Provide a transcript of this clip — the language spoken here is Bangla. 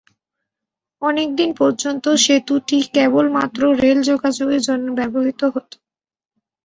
অনেকদিন পর্যন্ত সেতুটি কেবলমাত্র রেল যোগাযোগের জন্য ব্যবহৃত হতো।